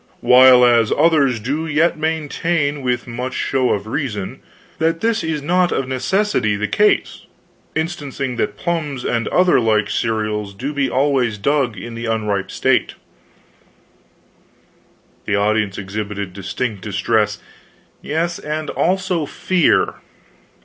" whileas others do yet maintain, with much show of reason, that this is not of necessity the case, instancing that plums and other like cereals do be always dug in the unripe state " The audience exhibited distinct distress; yes, and also fear.